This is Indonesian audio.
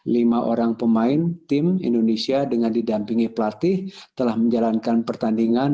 lima orang pemain tim indonesia dengan didampingi pelatih telah menjalankan pertandingan